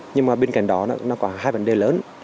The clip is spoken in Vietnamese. nhưng mà bên cạnh đó nó có hai vấn đề lớn